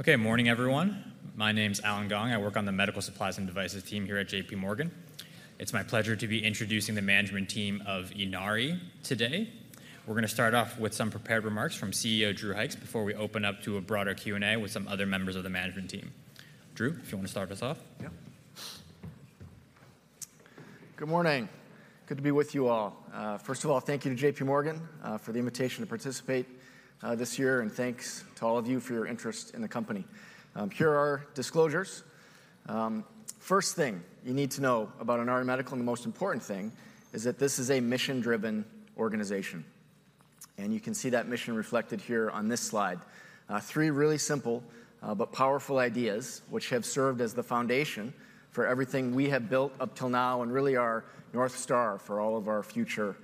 Okay, morning everyone. My name's Allen Gong. I work on the Medical Supplies and Devices team here at JPMorgan. It's my pleasure to be introducing the management team of Inari today. We're gonna start off with some prepared remarks from CEO Drew Hykes, before we open up to a broader Q&A with some other members of the management team. Drew, if you wanna start us off? Yeah. Good morning. Good to be with you all. First of all, thank you to JPMorgan for the invitation to participate this year, and thanks to all of you for your interest in the company. Here are our disclosures. First thing you need to know about Inari Medical, and the most important thing, is that this is a mission-driven organization, and you can see that mission reflected here on this slide. Three really simple but powerful ideas, which have served as the foundation for everything we have built up till now and really our North Star for all of our future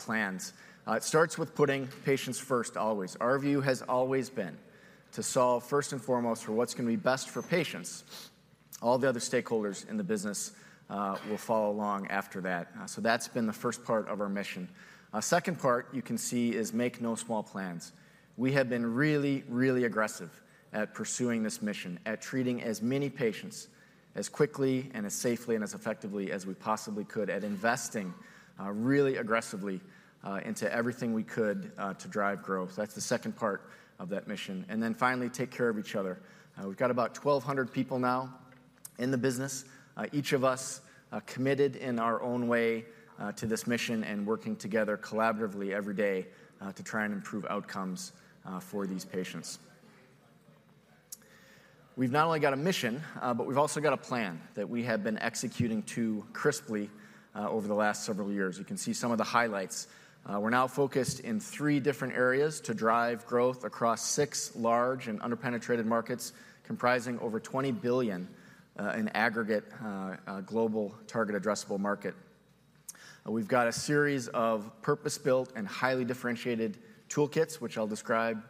plans. It starts with putting patients first, always. Our view has always been to solve first and foremost for what's gonna be best for patients. All the other stakeholders in the business will follow along after that. So that's been the first part of our mission. Our second part, you can see, is make no small plans. We have been really, really aggressive at pursuing this mission, at treating as many patients as quickly and as safely and as effectively as we possibly could, at investing, really aggressively, into everything we could, to drive growth. That's the second part of that mission. And then finally, take care of each other. We've got about 1,200 people now in the business, each of us, committed in our own way, to this mission and working together collaboratively every day, to try and improve outcomes, for these patients. We've not only got a mission, but we've also got a plan that we have been executing to crisply, over the last several years. You can see some of the highlights. We're now focused in three different areas to drive growth across six large and underpenetrated markets, comprising over $20 billion in aggregate global target addressable market. We've got a series of purpose-built and highly differentiated toolkits, which I'll describe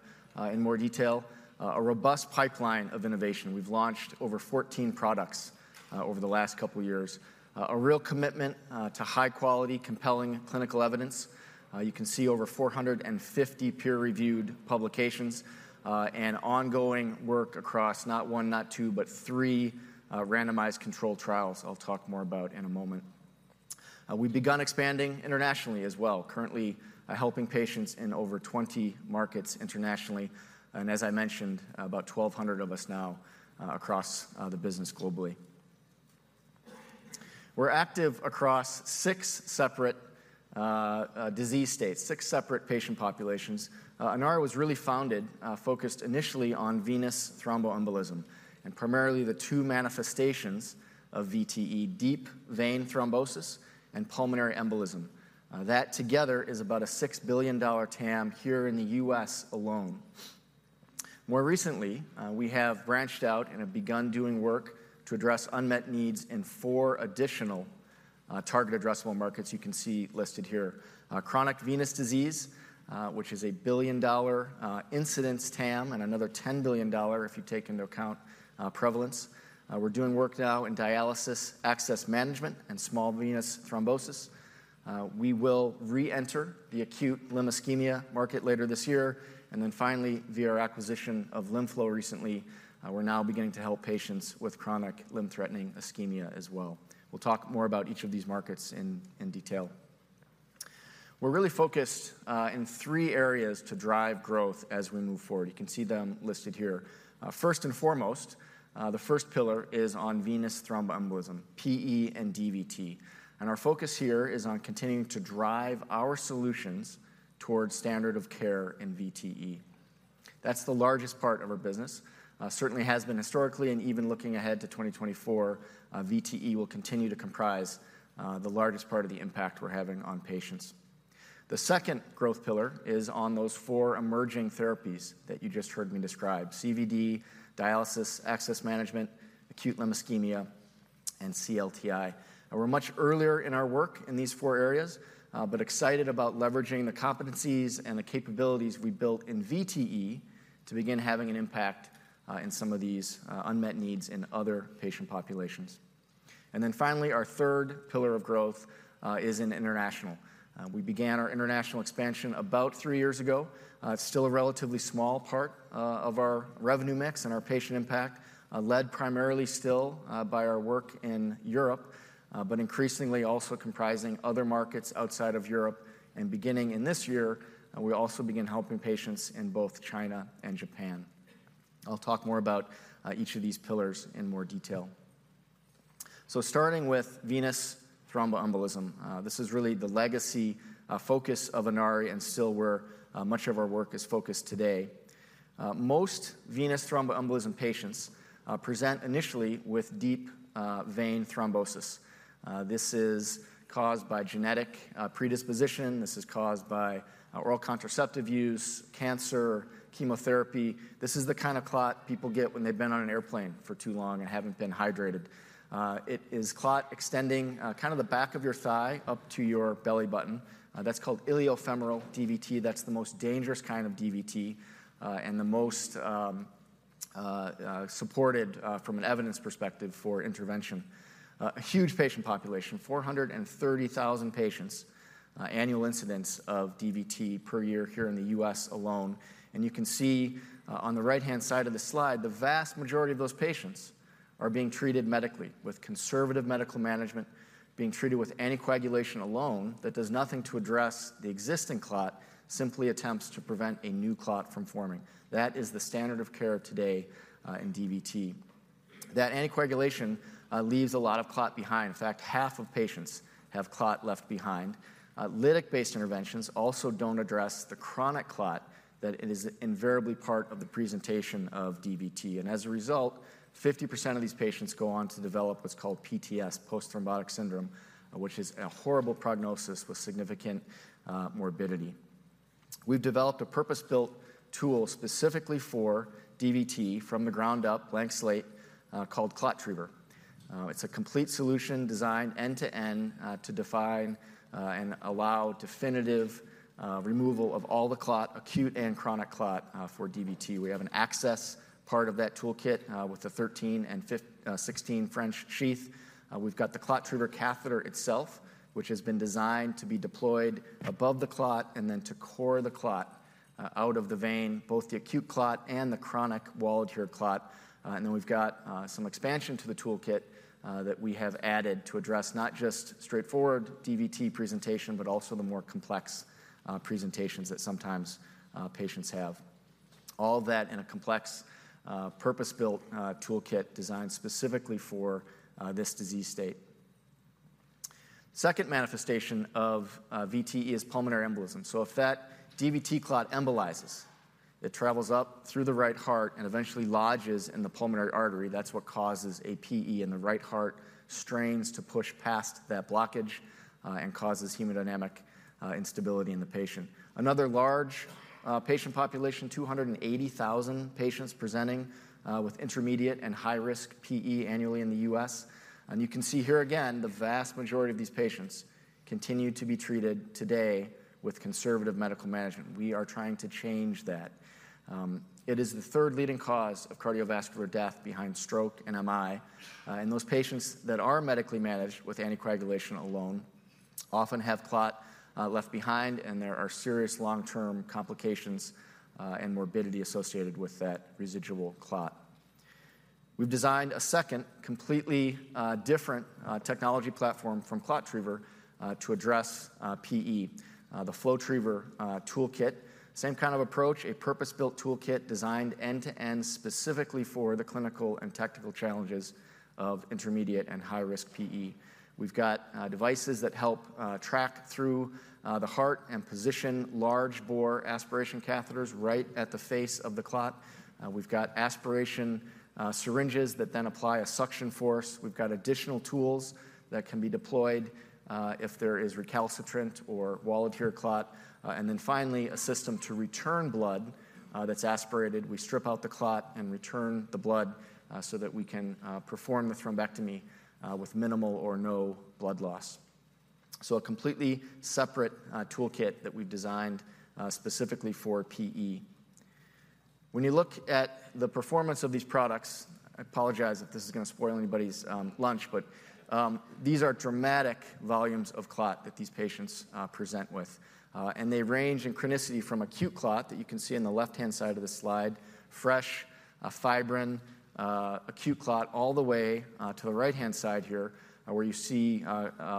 in more detail. A robust pipeline of innovation. We've launched over 14 products over the last couple of years. A real commitment to high quality, compelling clinical evidence. You can see over 450 peer-reviewed publications, and ongoing work across not one, not two, but three randomized controlled trials, I'll talk more about in a moment. We've begun expanding internationally as well, currently helping patients in over 20 markets internationally, and as I mentioned, about 1,200 of us now across the business globally. We're active across six separate disease states, six separate patient populations. Inari was really founded focused initially on venous thromboembolism, and primarily the two manifestations of VTE: deep vein thrombosis and pulmonary embolism. That together is about a $6 billion TAM here in the U.S. alone. More recently, we have branched out and have begun doing work to address unmet needs in four additional total addressable markets you can see listed here. Chronic venous disease, which is a $1 billion incidence TAM, and another $10 billion, if you take into account prevalence. We're doing work now in dialysis access management and small venous thrombosis. We will reenter the acute limb ischemia market later this year. Then finally, via our acquisition of LimFlow recently, we're now beginning to help patients with Chronic Limb-Threatening Ischemia as well. We'll talk more about each of these markets in detail. We're really focused in three areas to drive growth as we move forward. You can see them listed here. First and foremost, the first pillar is on Venous Thromboembolism, PE and DVT, and our focus here is on continuing to drive our solutions towards standard of care in VTE. That's the largest part of our business. Certainly has been historically, and even looking ahead to 2024, VTE will continue to comprise the largest part of the impact we're having on patients. The second growth pillar is on those four emerging therapies that you just heard me describe: CVD, dialysis access management, Acute Limb Ischemia, and CLTI. We're much earlier in our work in these four areas, but excited about leveraging the competencies and the capabilities we built in VTE to begin having an impact in some of these unmet needs in other patient populations. Then finally, our third pillar of growth is in international. We began our international expansion about three years ago. It's still a relatively small part of our revenue mix and our patient impact, led primarily still by our work in Europe, but increasingly also comprising other markets outside of Europe, and beginning in this year, we also begin helping patients in both China and Japan. I'll talk more about each of these pillars in more detail. So starting with venous thromboembolism, this is really the legacy focus of Inari and still where much of our work is focused today. Most venous thromboembolism patients present initially with deep vein thrombosis. This is caused by genetic predisposition, this is caused by oral contraceptive use, cancer, chemotherapy. This is the kind of clot people get when they've been on an airplane for too long and haven't been hydrated. It is clot extending kind of the back of your thigh up to your belly button. That's called iliofemoral DVT. That's the most dangerous kind of DVT, and the most supported from an evidence perspective for intervention. A huge patient population, 430,000 patients annual incidence of DVT per year here in the U.S. alone. You can see, on the right-hand side of the slide, the vast majority of those patients are being treated medically with conservative medical management, being treated with anticoagulation alone. That does nothing to address the existing clot, simply attempts to prevent a new clot from forming. That is the standard of care today, in DVT. That anticoagulation leaves a lot of clot behind. In fact, half of patients have clot left behind. Lytic-based interventions also don't address the chronic clot, that it is invariably part of the presentation of DVT, and as a result, 50% of these patients go on to develop what's called PTS, Post-Thrombotic Syndrome, which is a horrible prognosis with significant morbidity. We've developed a purpose-built tool specifically for DVT from the ground up, blank slate, called ClotTriever. It's a complete solution designed end-to-end to define and allow definitive removal of all the clot, acute and chronic clot, for DVT. We have an access part of that toolkit with a 13- and 16-French sheath. We've got the ClotTriever catheter itself, which has been designed to be deployed above the clot and then to core the clot out of the vein, both the acute clot and the chronic wall-adherent clot. And then we've got some expansion to the toolkit that we have added to address not just straightforward DVT presentation, but also the more complex presentations that sometimes patients have. All that in a complex purpose-built toolkit designed specifically for this disease state. Second manifestation of VTE is pulmonary embolism. So if that DVT clot embolizes, it travels up through the right heart and eventually lodges in the pulmonary artery. That's what causes a PE, and the right heart strains to push past that blockage, and causes hemodynamic instability in the patient. Another large patient population, 280,000 patients presenting with intermediate and high risk PE annually in the U.S. You can see here again, the vast majority of these patients continue to be treated today with conservative medical management. We are trying to change that. It is the third leading cause of cardiovascular death behind stroke and MI. And those patients that are medically managed with anticoagulation alone, often have clot left behind, and there are serious long-term complications and morbidity associated with that residual clot. We've designed a second completely different technology platform from ClotTriever to address PE, the FlowTriever toolkit. Same kind of approach, a purpose-built toolkit designed end-to-end, specifically for the clinical and technical challenges of intermediate and high-risk PE. We've got devices that help track through the heart and position large-bore aspiration catheters right at the face of the clot. We've got aspiration syringes that then apply a suction force. We've got additional tools that can be deployed if there is recalcitrant or wall-adherent clot. And then finally, a system to return blood that's aspirated. We strip out the clot and return the blood so that we can perform the thrombectomy with minimal or no blood loss. So a completely separate toolkit that we've designed specifically for PE. When you look at the performance of these products, I apologize if this is gonna spoil anybody's lunch, but these are dramatic volumes of clot that these patients present with. And they range in chronicity from acute clot that you can see on the left-hand side of the slide, fresh fibrin acute clot, all the way to the right-hand side here, where you see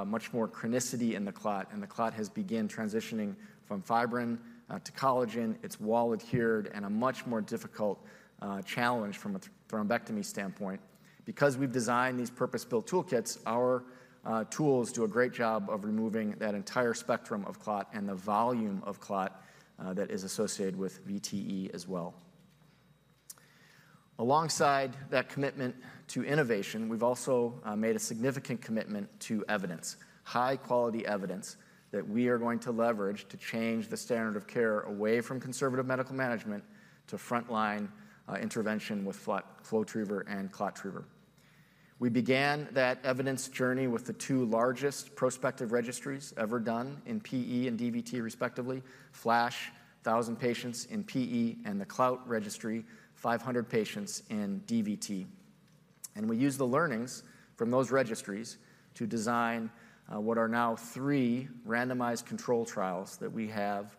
much more chronicity in the clot, and the clot has began transitioning from fibrin to collagen. It's wall-adhered and a much more difficult challenge from a thrombectomy standpoint. Because we've designed these purpose-built toolkits, our tools do a great job of removing that entire spectrum of clot and the volume of clot that is associated with VTE as well. Alongside that commitment to innovation, we've also made a significant commitment to evidence, high-quality evidence, that we are going to leverage to change the standard of care away from conservative medical management to frontline intervention with FlowTriever and ClotTriever. We began that evidence journey with the two largest prospective registries ever done in PE and DVT, respectively, FLASH, 1,000 patients in PE, and the CLOUT registry, 500 patients in DVT. We used the learnings from those registries to design what are now 3 randomized controlled trials that we have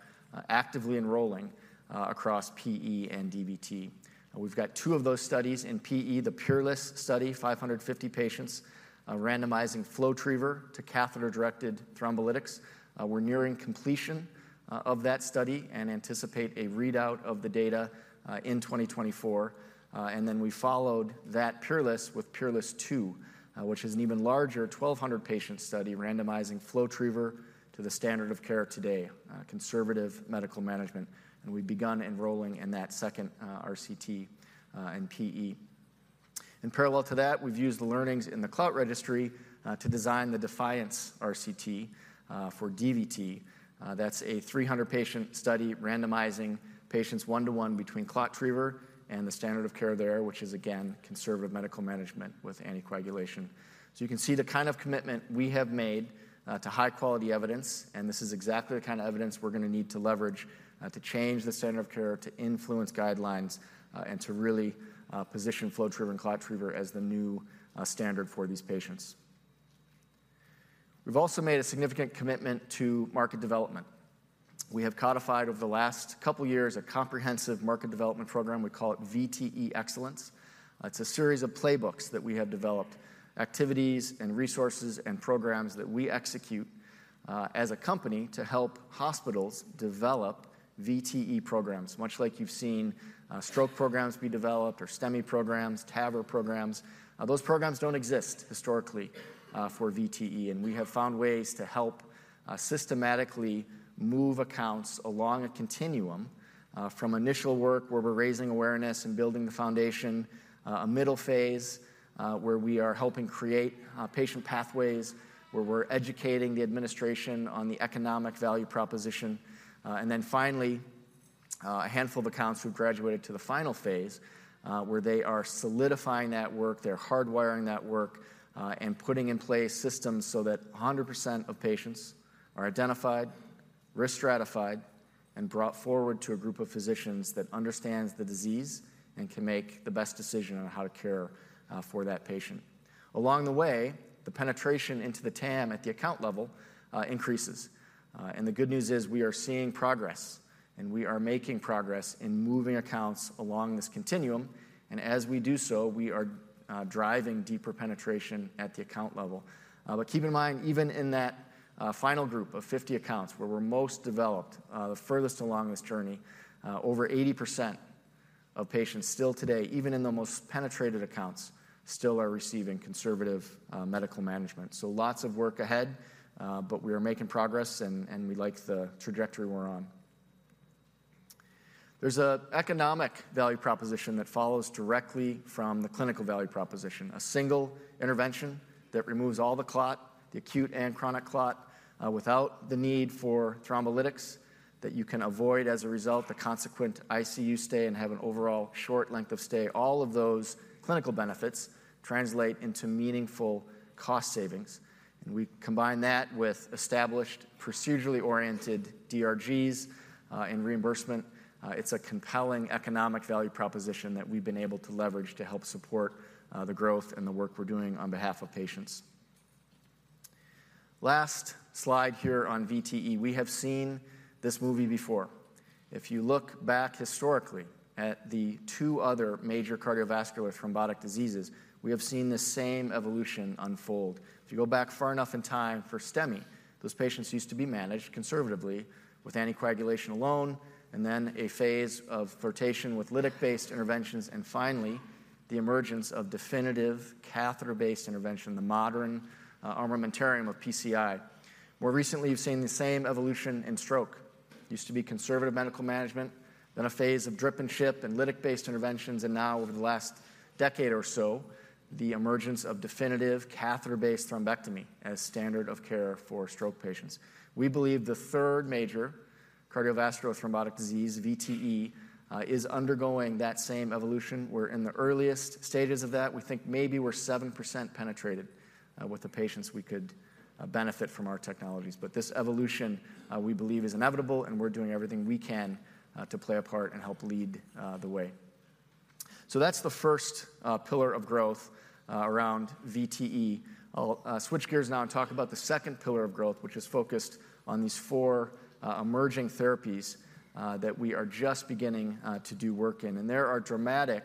actively enrolling across PE and DVT. We've got two of those studies in PE, the PEERLESS study, 550 patients, randomizing FlowTriever to catheter-directed thrombolytics. We're nearing completion of that study and anticipate a readout of the data in 2024. and then we followed that PEERLESS with PEERLESS II, which is an even larger 1,200-patient study, randomizing FlowTriever to the standard of care today, conservative medical management, and we've begun enrolling in that second, RCT, in PE. In parallel to that, we've used the learnings in the CLOUT Registry, to design the DEFIANCE RCT, for DVT. That's a 300-patient study, randomizing patients 1-to-1 between ClotTriever and the standard of care there, which is again, conservative medical management with anticoagulation. So you can see the kind of commitment we have made, to high-quality evidence, and this is exactly the kind of evidence we're gonna need to leverage, to change the standard of care, to influence guidelines, and to really, position FlowTriever and ClotTriever as the new, standard for these patients. We've also made a significant commitment to market development. We have codified over the last couple years a comprehensive market development program we call it VTE Excellence. It's a series of playbooks that we have developed, activities and resources and programs that we execute as a company to help hospitals develop VTE programs, much like you've seen stroke programs be developed or STEMI programs, TAVR programs. Those programs don't exist historically for VTE, and we have found ways to help systematically move accounts along a continuum from initial work, where we're raising awareness and building the foundation, a middle phase where we are helping create patient pathways, where we're educating the administration on the economic value proposition. And then finally, a handful of accounts who've graduated to the final phase, where they are solidifying that work, they're hardwiring that work, and putting in place systems so that 100% of patients are identified, risk stratified, and brought forward to a group of physicians that understands the disease and can make the best decision on how to care for that patient. Along the way, the penetration into the TAM at the account level increases. And the good news is, we are seeing progress, and we are making progress in moving accounts along this continuum, and as we do so, we are driving deeper penetration at the account level. But keep in mind, even in that final group of 50 accounts where we're most developed, the furthest along this journey, over 80% of patients still today, even in the most penetrated accounts, still are receiving conservative medical management. So lots of work ahead, but we are making progress and we like the trajectory we're on. There's an economic value proposition that follows directly from the clinical value proposition, a single intervention that removes all the clot, the acute and chronic clot, without the need for thrombolytics, that you can avoid, as a result, the consequent ICU stay and have an overall short length of stay. All of those clinical benefits translate into meaningful cost savings, and we combine that with established, procedurally-oriented DRGs, and reimbursement. It's a compelling economic value proposition that we've been able to leverage to help support, the growth and the work we're doing on behalf of patients. Last slide here on VTE. We have seen this movie before. If you look back historically at the two other major cardiovascular thrombotic diseases, we have seen the same evolution unfold. If you go back far enough in time for STEMI, those patients used to be managed conservatively with anticoagulation alone, and then a phase of flirtation with lytic-based interventions, and finally, the emergence of definitive catheter-based intervention, the modern, armamentarium of PCI. More recently, you've seen the same evolution in stroke. Used to be conservative medical management, then a phase of drip and ship and lytic-based interventions, and now over the last decade or so, the emergence of definitive catheter-based thrombectomy as standard of care for stroke patients. We believe the third major cardiovascular thrombotic disease, VTE, is undergoing that same evolution. We're in the earliest stages of that. We think maybe we're 7% penetrated with the patients we could benefit from our technologies. But this evolution, we believe is inevitable, and we're doing everything we can to play a part and help lead the way. So that's the first pillar of growth around VTE. I'll switch gears now and talk about the second pillar of growth, which is focused on these four emerging therapies that we are just beginning to do work in. And there are dramatic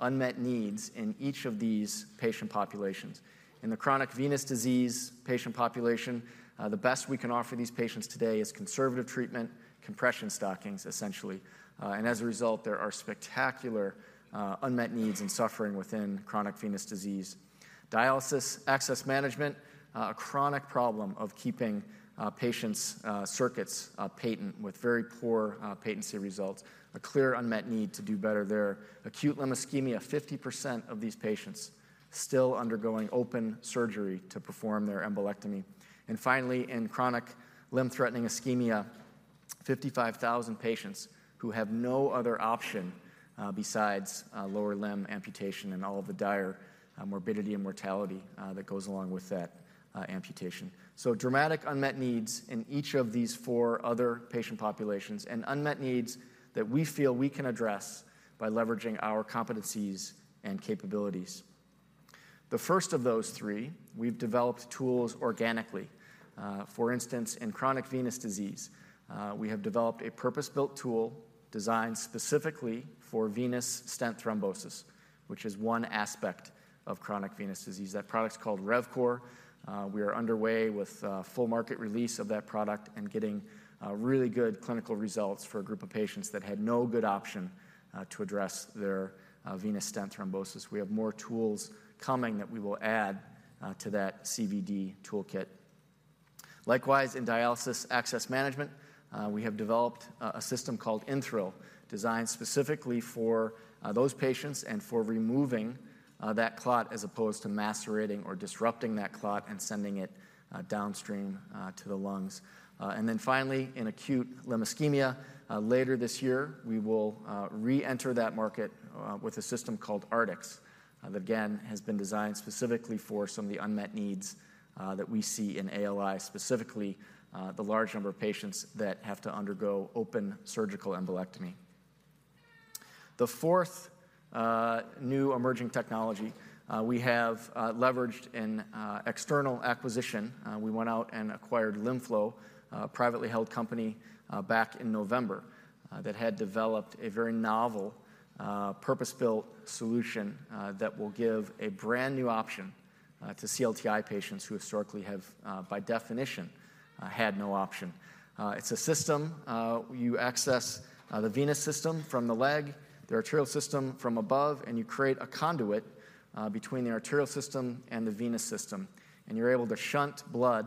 unmet needs in each of these patient populations. In the chronic venous disease patient population, the best we can offer these patients today is conservative treatment, compression stockings, essentially. As a result, there are spectacular unmet needs and suffering within chronic venous disease. Dialysis access management, a chronic problem of keeping patients' circuits patent, with very poor patency results, a clear unmet need to do better there. Acute limb ischemia, 50% of these patients still undergoing open surgery to perform their embolectomy. And finally, in chronic limb-threatening ischemia, 55,000 patients who have no other option besides lower limb amputation and all of the dire morbidity and mortality that goes along with that amputation. So dramatic unmet needs in each of these four other patient populations, and unmet needs that we feel we can address by leveraging our competencies and capabilities. The first of those three, we've developed tools organically. For instance, in chronic venous disease, we have developed a purpose-built tool designed specifically for venous stent thrombosis, which is one aspect of chronic venous disease. That product's called RevCore. We are underway with full market release of that product and getting really good clinical results for a group of patients that had no good option to address their venous stent thrombosis. We have more tools coming that we will add to that CVD toolkit. Likewise, in dialysis access management, we have developed a system called InThrill, designed specifically for those patients and for removing that clot as opposed to macerating or disrupting that clot and sending it downstream to the lungs. And then finally, in acute limb ischemia, later this year, we will reenter that market with a system called Artix that again has been designed specifically for some of the unmet needs that we see in ALI, specifically the large number of patients that have to undergo open surgical embolectomy. The fourth new emerging technology we have leveraged in external acquisition. We went out and acquired LimFlow, a privately held company, back in November, that had developed a very novel purpose-built solution that will give a brand-new option to CLTI patients who historically have, by definition, had no option. It's a system you access the venous system from the leg, the arterial system from above, and you create a conduit between the arterial system and the venous system, and you're able to shunt blood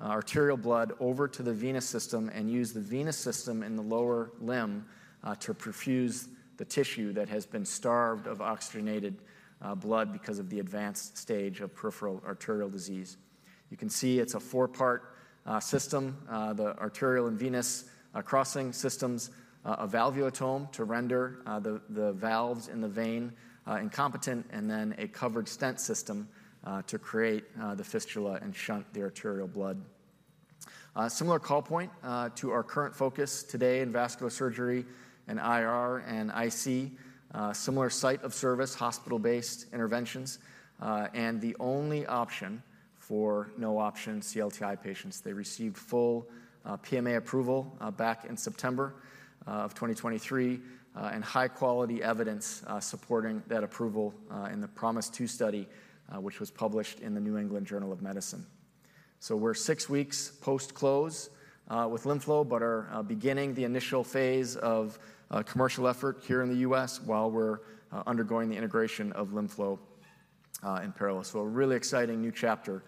arterial blood over to the venous system and use the venous system in the lower limb to perfuse the tissue that has been starved of oxygenated blood because of the advanced stage of peripheral arterial disease. You can see it's a four-part system. The arterial and venous crossing systems, a valvulotome to render the valves in the vein incompetent, and then a covered stent system to create the fistula and shunt the arterial blood. Similar call point to our current focus today in vascular surgery and IR and IC. Similar site of service, hospital-based interventions, and the only option for no-option CLTI patients. They received full PMA approval back in September of 2023, and high-quality evidence supporting that approval in the PROMISE II study, which was published in the New England Journal of Medicine. So we're six weeks post-close with LimFlow, but are beginning the initial phase of a commercial effort here in the U.S. while we're undergoing the integration of LimFlow in parallel. So a really exciting new chapter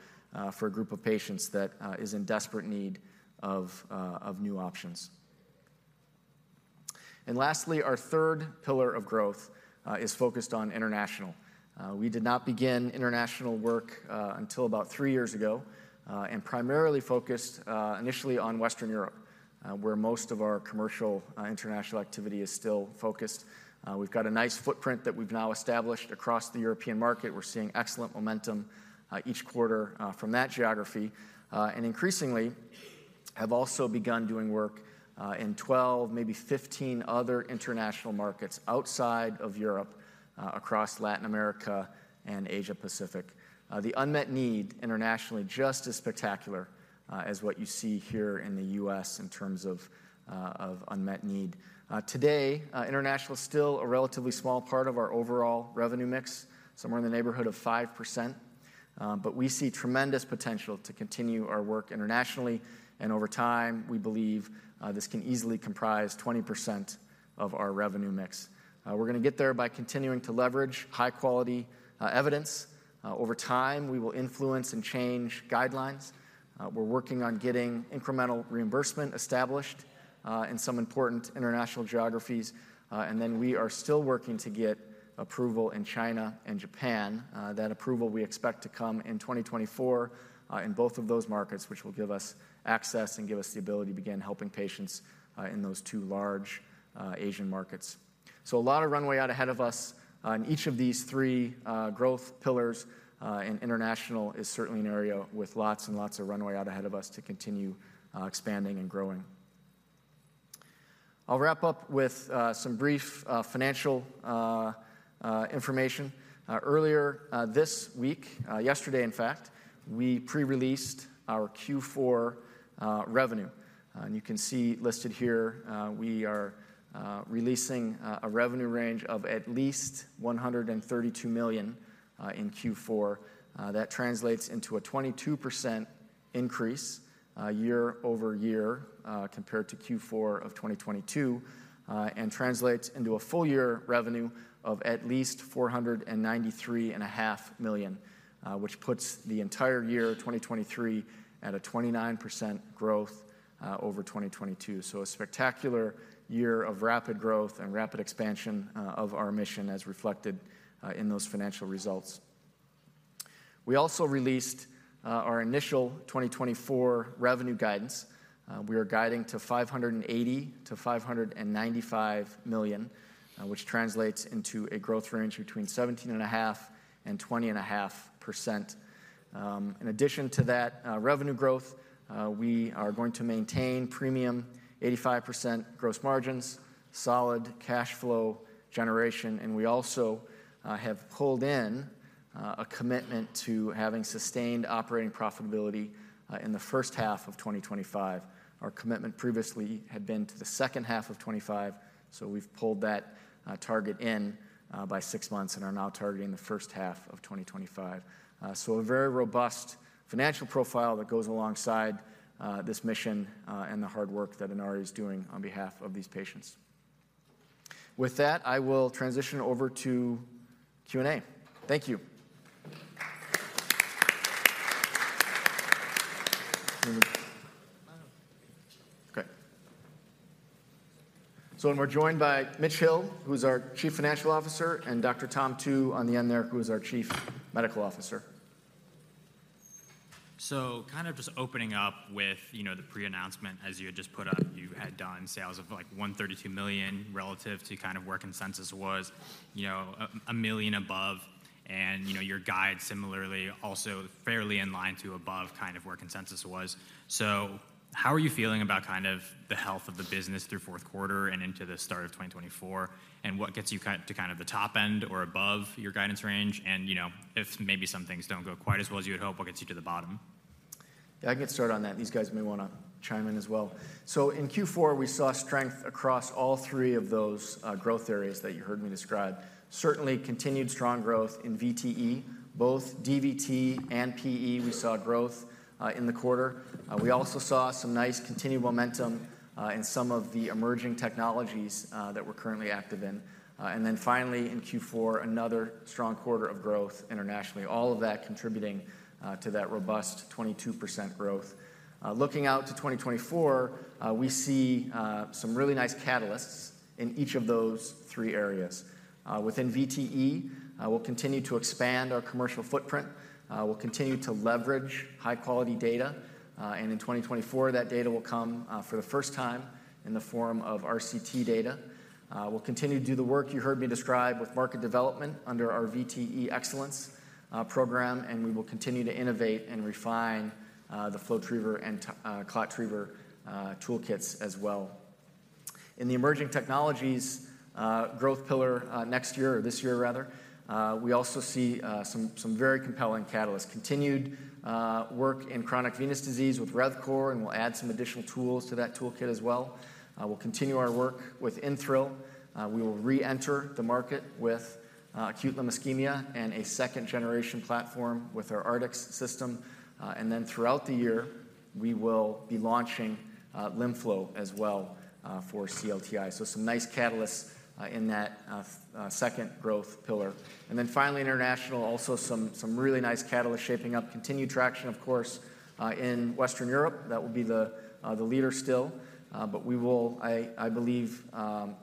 for a group of patients that is in desperate need of new options. And lastly, our third pillar of growth is focused on international. We did not begin international work until about three years ago, and primarily focused initially on Western Europe, where most of our commercial international activity is still focused. We've got a nice footprint that we've now established across the European market. We're seeing excellent momentum each quarter from that geography, and increasingly, have also begun doing work in 12, maybe 15 other international markets outside of Europe, across Latin America and Asia Pacific. The unmet need internationally is just as spectacular as what you see here in the U.S. in terms of unmet need. Today, international is still a relatively small part of our overall revenue mix, somewhere in the neighborhood of 5%, but we see tremendous potential to continue our work internationally, and over time, we believe, this can easily comprise 20% of our revenue mix. We're gonna get there by continuing to leverage high-quality evidence. Over time, we will influence and change guidelines. We're working on getting incremental reimbursement established in some important international geographies, and then we are still working to get approval in China and Japan. That approval we expect to come in 2024 in both of those markets, which will give us access and give us the ability to begin helping patients in those two large Asian markets. So a lot of runway out ahead of us on each of these three growth pillars, and international is certainly an area with lots and lots of runway out ahead of us to continue expanding and growing. I'll wrap up with some brief financial information. Earlier this week, yesterday in fact, we pre-released our Q4 revenue. And you can see listed here, we are releasing a revenue range of at least $132 million in Q4. That translates into a 22% increase year-over-year compared to Q4 of 2022, and translates into a full year revenue of at least $493.5 million, which puts the entire year of 2023 at a 29% growth over 2022. So a spectacular year of rapid growth and rapid expansion of our mission as reflected in those financial results. We also released our initial 2024 revenue guidance. We are guiding to $500 million-$595 million, which translates into a growth range between 17.5% and 20.5%. In addition to that revenue growth, we are going to maintain premium 85% gross margins, solid cash flow generation, and we also have pulled in a commitment to having sustained operating profitability in the first half of 2025. Our commitment previously had been to the second half of 2025, so we've pulled that target in by six months and are now targeting the first half of 2025. So a very robust financial profile that goes alongside this mission, and the hard work that Inari is doing on behalf of these patients. With that, I will transition over to Q&A. Thank you. Okay. So and we're joined by Mitch Hill, who's our Chief Financial Officer, and Dr. Tom Tu, on the end there, who is our Chief Medical Officer. So kind of just opening up with, you know, the pre-announcement, as you had just put up, you had done sales of, like, $132 million relative to kind of where consensus was, you know, $1 million above. And, you know, your guide similarly also fairly in line to above kind of where consensus was. So how are you feeling about kind of the health of the business through fourth quarter and into the start of 2024? And what gets you to kind of the top end or above your guidance range? And, you know, if maybe some things don't go quite as well as you had hoped, what gets you to the bottom? Yeah, I can get started on that. These guys may wanna chime in as well. So in Q4, we saw strength across all three of those, growth areas that you heard me describe. Certainly, continued strong growth in VTE, both DVT and PE, we saw growth in the quarter. We also saw some nice continued momentum, in some of the emerging technologies, that we're currently active in. And then finally, in Q4, another strong quarter of growth internationally. All of that contributing, to that robust 22% growth. Looking out to 2024, we see, some really nice catalysts in each of those three areas. Within VTE, we'll continue to expand our commercial footprint. We'll continue to leverage high-quality data, and in 2024, that data will come for the first time in the form of RCT data. We'll continue to do the work you heard me describe with market development under our VTE Excellence program, and we will continue to innovate and refine the FlowTriever and ClotTriever toolkits as well. In the emerging technologies growth pillar, next year or this year rather, we also see some very compelling catalysts. Continued work in chronic venous disease with RevCore, and we'll add some additional tools to that toolkit as well. We'll continue our work with InThrill. We will reenter the market with acute limb ischemia and a second-generation platform with our Artix system. And then throughout the year, we will be launching LimFlow as well for CLTI. So some nice catalysts in that second growth pillar. And then finally, international, also some really nice catalysts shaping up. Continued traction, of course, in Western Europe. That will be the leader still, but we will, I believe,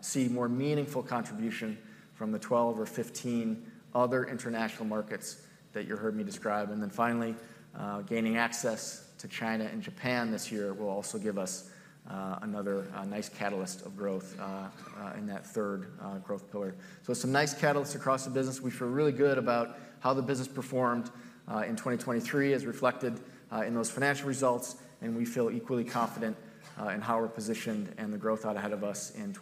see more meaningful contribution from the 12 or 15 other international markets that you heard me describe. And then finally, gaining access to China and Japan this year will also give us another nice catalyst of growth in that third growth pillar. So some nice catalysts across the business. We feel really good about how the business performed in 2023 as reflected in those financial results, and we feel equally confident in how we're positioned and the growth out ahead of us in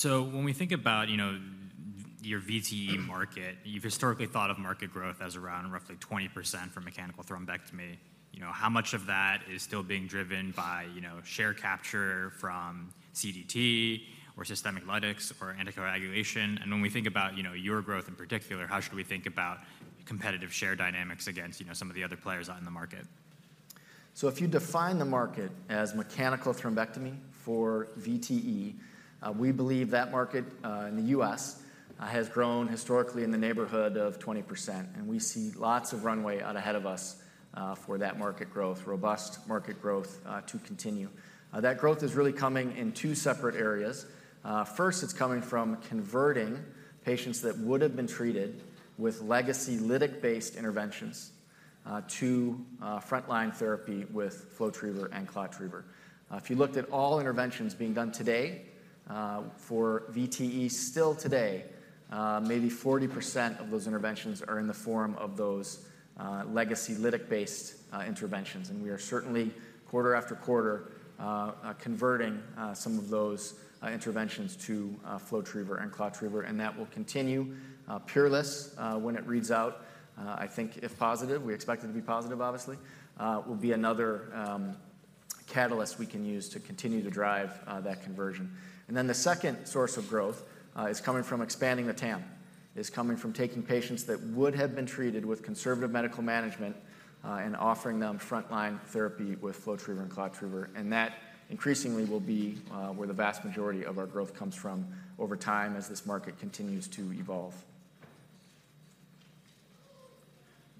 2024. When we think about, you know, your VTE market, you've historically thought of market growth as around roughly 20% for mechanical thrombectomy. You know, how much of that is still being driven by, you know, share capture from CDT or systemic lytics or anticoagulation? And when we think about, you know, your growth in particular, how should we think about competitive share dynamics against, you know, some of the other players out in the market? So if you define the market as mechanical thrombectomy for VTE, we believe that market, in the U.S., has grown historically in the neighborhood of 20%, and we see lots of runway out ahead of us, for that market growth, robust market growth, to continue. That growth is really coming in 2 separate areas. First, it's coming from converting patients that would have been treated with legacy lytic-based interventions, to, frontline therapy with FlowTriever and ClotTriever. If you looked at all interventions being done today, for VTE, still today, maybe 40% of those interventions are in the form of those, legacy lytic-based, interventions. And we are certainly, quarter after quarter, converting, some of those, interventions to, FlowTriever and ClotTriever, and that will continue. PEERLESS, when it reads out, I think if positive, we expect it to be positive, obviously, will be another catalyst we can use to continue to drive that conversion. And then the second source of growth is coming from expanding the TAM, is coming from taking patients that would have been treated with conservative medical management and offering them frontline therapy with FlowTriever and ClotTriever. And that increasingly will be where the vast majority of our growth comes from over time as this market continues to evolve.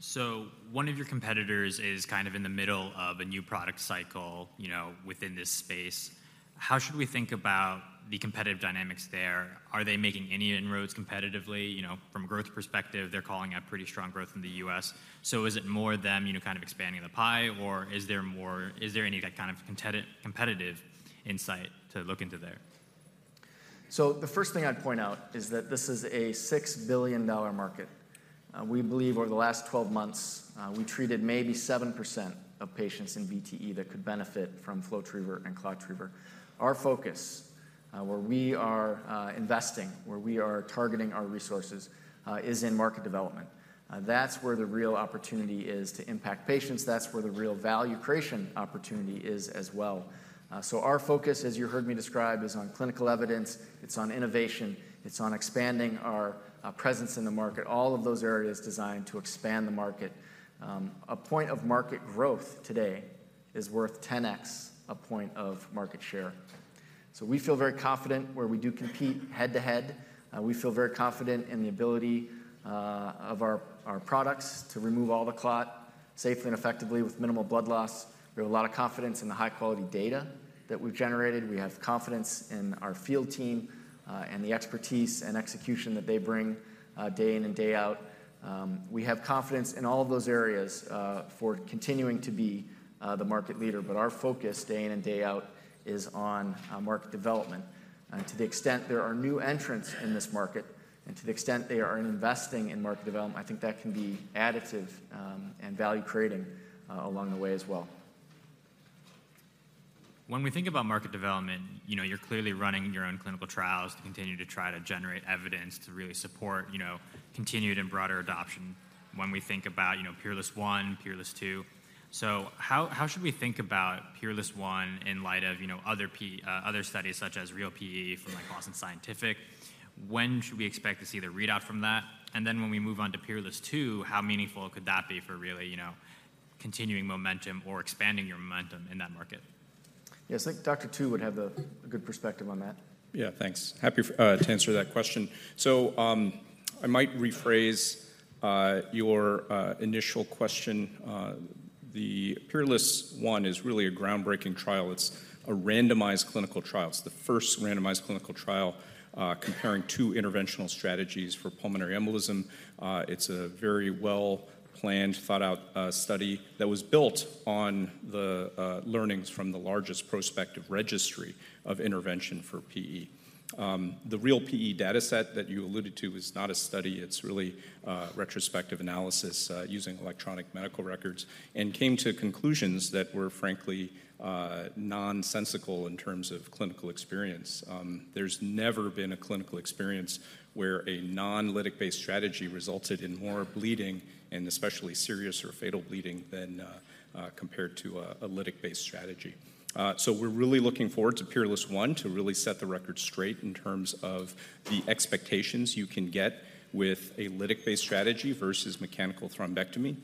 So one of your competitors is kind of in the middle of a new product cycle, you know, within this space. How should we think about the competitive dynamics there? Are they making any inroads competitively? You know, from a growth perspective, they're calling out pretty strong growth in the U.S. So is it more them, you know, kind of expanding the pie, or is there any kind of competitive insight to look into there? So the first thing I'd point out is that this is a $6 billion market. We believe over the last 12 months, we treated maybe 7% of patients in VTE that could benefit from FlowTriever and ClotTriever. Our focus, where we are, investing, where we are targeting our resources, is in market development. That's where the real opportunity is to impact patients. That's where the real value creation opportunity is as well. So our focus, as you heard me describe, is on clinical evidence, it's on innovation, it's on expanding our, presence in the market, all of those areas designed to expand the market. A point of market growth today is worth 10x a point of market share. So we feel very confident where we do compete head-to-head. We feel very confident in the ability, of our, our products to remove all the clot safely and effectively with minimal blood loss. We have a lot of confidence in the high-quality data that we've generated. We have confidence in our field team, and the expertise and execution that they bring, day in and day out. We have confidence in all of those areas, for continuing to be, the market leader. But our focus, day in and day out, is on, market development. And to the extent there are new entrants in this market, and to the extent they are investing in market development, I think that can be additive, and value-creating, along the way as well. When we think about market development, you know, you're clearly running your own clinical trials to continue to try to generate evidence to really support, you know, continued and broader adoption when we think about, you know, PEERLESS I, PEERLESS II. So how should we think about PEERLESS I in light of, you know, other studies such as REAL-PE from, like, Boston Scientific? When should we expect to see the readout from that? And then when we move on to PEERLESS II, how meaningful could that be for really, you know, continuing momentum or expanding your momentum in that market? Yes, I think Dr. Tu would have a good perspective on that. Yeah, thanks. Happy to answer that question. So, I might rephrase your initial question. The PEERLESS I is really a groundbreaking trial. It's a randomized clinical trial. It's the first randomized clinical trial comparing two interventional strategies for pulmonary embolism. It's a very well-planned, thought-out study that was built on the learnings from the largest prospective registry of intervention for PE. The REAL PE dataset that you alluded to is not a study. It's really retrospective analysis using electronic medical records, and came to conclusions that were, frankly, nonsensical in terms of clinical experience. There's never been a clinical experience where a non-lytic-based strategy resulted in more bleeding and especially serious or fatal bleeding than compared to a lytic-based strategy. So we're really looking forward to PEERLESS I to really set the record straight in terms of the expectations you can get with a lytic-based strategy versus mechanical thrombectomy.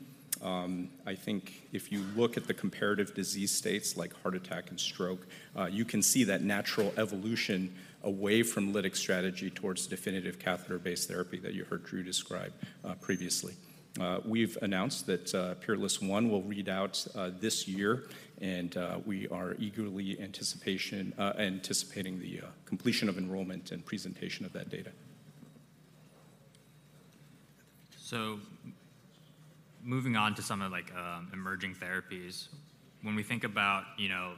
I think if you look at the comparative disease states, like heart attack and stroke, you can see that natural evolution away from lytic strategy towards definitive catheter-based therapy that you heard Drew describe, previously. We've announced that PEERLESS I will read out this year, and we are eagerly anticipating the completion of enrollment and presentation of that data. So moving on to some of, like, emerging therapies. When we think about, you know,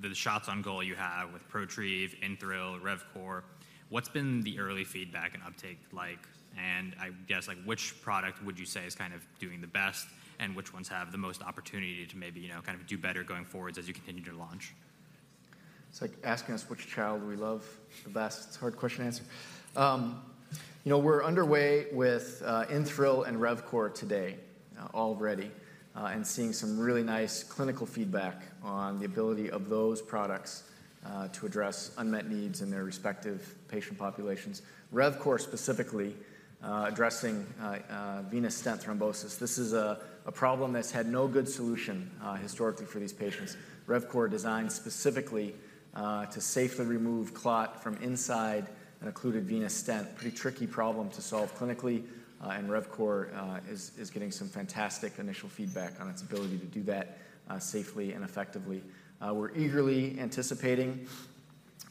the shots on goal you have with ProTrieve, InThrill, RevCore, what's been the early feedback and uptake like? And I guess, like, which product would you say is kind of doing the best, and which ones have the most opportunity to maybe, you know, kind of do better going forwards as you continue to launch? It's like asking us which child we love the best. It's a hard question to answer. You know, we're underway with InThrill and RevCore today, already, and seeing some really nice clinical feedback on the ability of those products to address unmet needs in their respective patient populations. RevCore, specifically, addressing venous stent thrombosis. This is a problem that's had no good solution, historically for these patients. RevCore designed specifically to safely remove clot from inside an occluded venous stent. Pretty tricky problem to solve clinically, and RevCore is getting some fantastic initial feedback on its ability to do that, safely and effectively. We're eagerly anticipating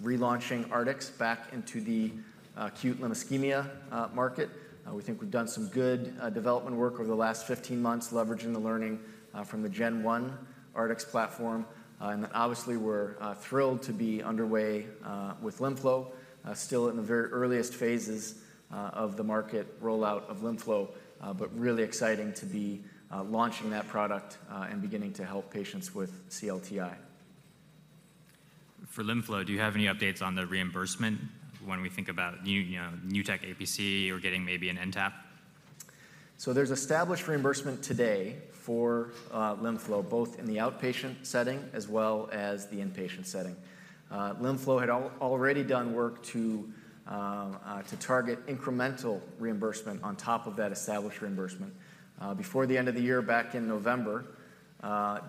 relaunching Artix back into the acute limb ischemia market. We think we've done some good development work over the last 15 months, leveraging the learning from the Gen 1 Artix platform. And obviously, we're thrilled to be underway with LimFlow. Still in the very earliest phases of the market rollout of LimFlow, but really exciting to be launching that product and beginning to help patients with CLTI. For LimFlow, do you have any updates on the reimbursement when we think about new, you know, new tech APC or getting maybe an NTAP? So there's established reimbursement today for LimFlow, both in the outpatient setting as well as the inpatient setting. LimFlow had already done work to target incremental reimbursement on top of that established reimbursement. Before the end of the year, back in November,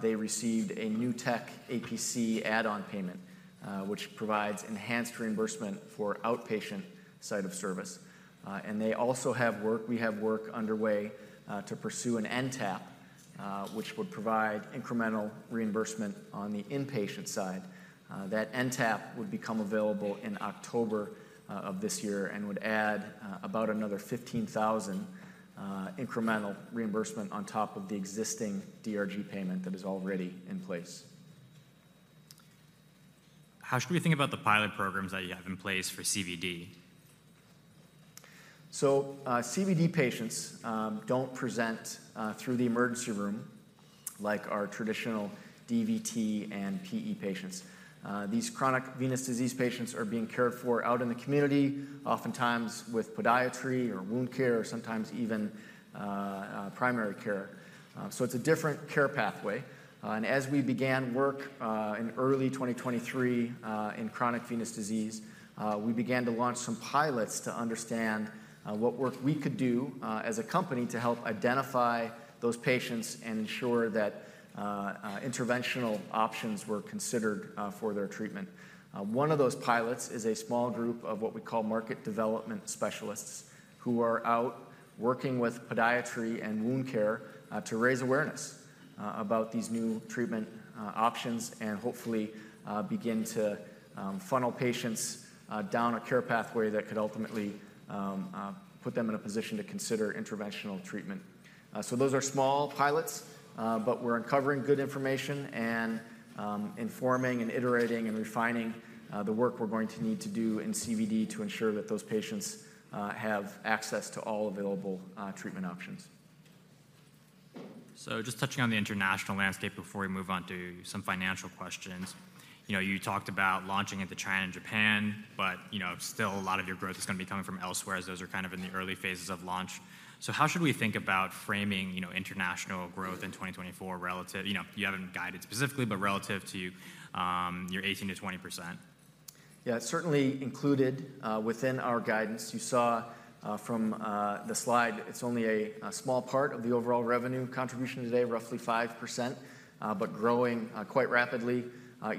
they received a New Tech APC add-on payment, which provides enhanced reimbursement for outpatient site of service. And they also have work—we have work underway to pursue an NTAP, which would provide incremental reimbursement on the inpatient side. That NTAP would become available in October of this year and would add about another $15,000 incremental reimbursement on top of the existing DRG payment that is already in place. How should we think about the pilot programs that you have in place for CVD? So, CVD patients don't present through the emergency room like our traditional DVT and PE patients. These chronic venous disease patients are being cared for out in the community, oftentimes with podiatry or wound care, or sometimes even primary care. So it's a different care pathway, and as we began work in early 2023 in chronic venous disease, we began to launch some pilots to understand what work we could do as a company to help identify those patients and ensure that interventional options were considered for their treatment. One of those pilots is a small group of what we call market development specialists, who are out working with podiatry and wound care to raise awareness about these new treatment options and hopefully begin to funnel patients down a care pathway that could ultimately put them in a position to consider interventional treatment. So those are small pilots, but we're uncovering good information and informing and iterating and refining the work we're going to need to do in CVD to ensure that those patients have access to all available treatment options. Just touching on the international landscape before we move on to some financial questions. You know, you talked about launching into China and Japan, but, you know, still a lot of your growth is gonna be coming from elsewhere, as those are kind of in the early phases of launch. So how should we think about framing, you know, international growth in 2024 relative— You know, you haven't guided specifically, but relative to your 18%-20%? Yeah, it's certainly included within our guidance. You saw from the slide, it's only a small part of the overall revenue contribution today, roughly 5%, but growing quite rapidly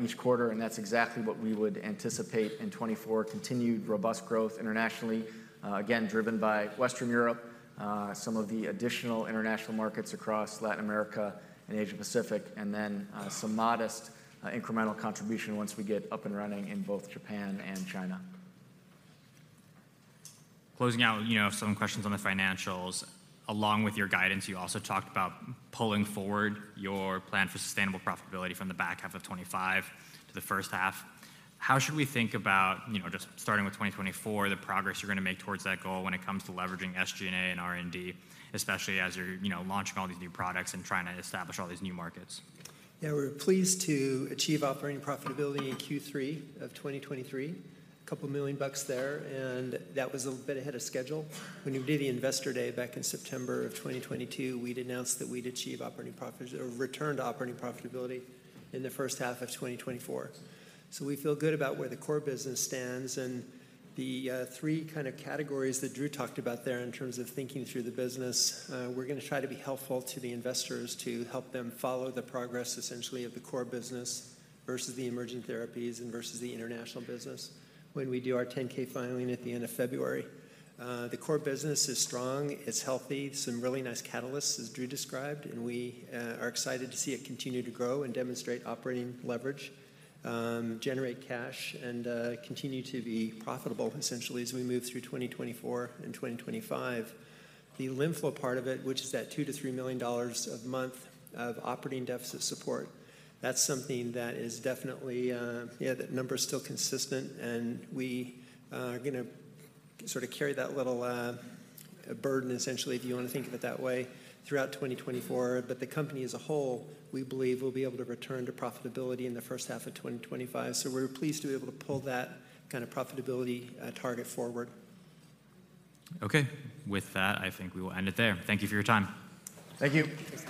each quarter, and that's exactly what we would anticipate in 2024. Continued robust growth internationally, again, driven by Western Europe, some of the additional international markets across Latin America and Asia Pacific, and then some modest incremental contribution once we get up and running in both Japan and China. Closing out, you know, some questions on the financials. Along with your guidance, you also talked about pulling forward your plan for sustainable profitability from the back half of 2025 to the first half. How should we think about, you know, just starting with 2024, the progress you're gonna make towards that goal when it comes to leveraging SG&A and R&D, especially as you're, you know, launching all these new products and trying to establish all these new markets? Yeah, we're pleased to achieve operating profitability in Q3 of 2023. $2 million there, and that was a bit ahead of schedule. When we did the Investor Day back in September of 2022, we'd announced that we'd achieve operating profit or return to operating profitability in the first half of 2024. So we feel good about where the core business stands and the three kind of categories that Drew talked about there in terms of thinking through the business. We're gonna try to be helpful to the investors to help them follow the progress, essentially, of the core business versus the emergent therapies and versus the international business when we do our 10-K filing at the end of February. The core business is strong, it's healthy, some really nice catalysts, as Drew described, and we are excited to see it continue to grow and demonstrate operating leverage, generate cash, and continue to be profitable essentially as we move through 2024 and 2025. The LimFlow part of it, which is that $2 million-$3 million per month of operating deficit support, that's something that is definitely yeah, that number's still consistent, and we are gonna sort of carry that little burden, essentially, if you wanna think of it that way, throughout 2024. But the company as a whole, we believe, will be able to return to profitability in the first half of 2025. So we're pleased to be able to pull that kind of profitability target forward. Okay. With that, I think we will end it there. Thank you for your time. Thank you. Thanks.